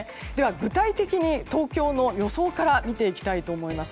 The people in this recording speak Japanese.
具体的に、東京の予想から見ていきたいと思います。